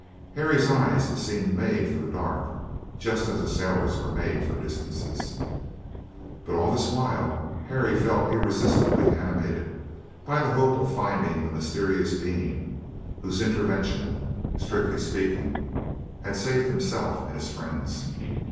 Harry's eyes seemed made for the dark, just as a sailor's are made for distances. But all this while Harry felt irresistibly animated by the hope of finding the mysterious being whose intervention, strictly speaking, had saved himself and his friends.